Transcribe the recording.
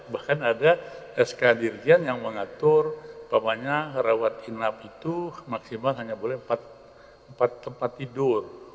bahkan ada sk dirjen yang mengatur rawat inap itu maksimal hanya boleh empat tempat tidur